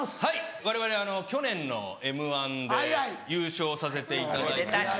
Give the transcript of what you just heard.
はいわれわれ去年の『Ｍ−１』で優勝させていただいて。